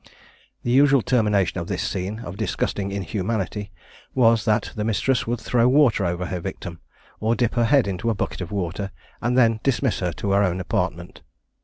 The usual termination of this scene of disgusting inhumanity was, that the mistress would throw water over her victim, or dip her head into a bucket of water, and then dismiss her to her own apartment.